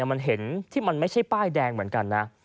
มันเห็นที่มันไม่ใช่ป้ายแดงเหมือนกันนะ